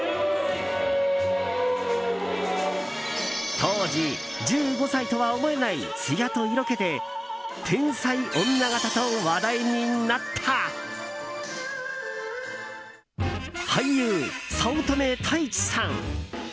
当時１５歳とは思えない艶と色気で天才女形と話題になった俳優、早乙女太一さん。